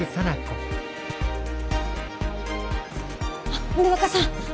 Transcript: あっ森若さん！